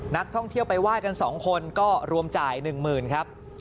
นักท่องเที่ยวไปไหว้กัน๒คนก็รวมจ่าย๑๐๐๐ครับ